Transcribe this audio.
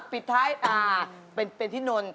ปิดท้ายเป็นที่นนท